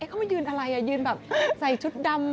เขามายืนอะไรยืนแบบใส่ชุดดำ